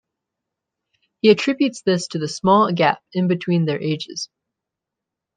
He attributes this to the small gap in between their ages.